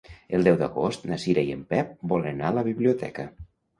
El deu d'agost na Cira i en Pep volen anar a la biblioteca.